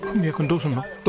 どうするの？